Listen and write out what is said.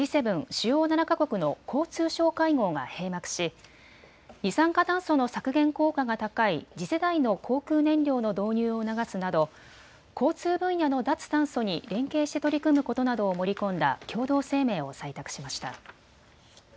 主要７か国の交通相会合が閉幕し二酸化炭素の削減効果が高い次世代の航空燃料の導入を促すなど交通分野の脱炭素に連携して取り組むことなどを盛り込んだ共同声明を採択しました。